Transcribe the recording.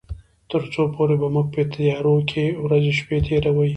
تر څو پورې به موږ په تيارو کې ورځې شپې تيروي.